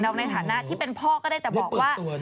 ในฐานะที่เป็นพ่อก็ได้แต่บอกว่า